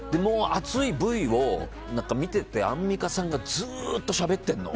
暑いＶを見ててアンミカさんがずっとしゃべっているの。